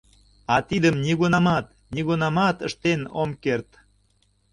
А тидым нигунамат, нигунамат ыштен ом керт!